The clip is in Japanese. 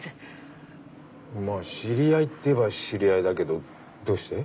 まあ知り合いっていえば知り合いだけどどうして？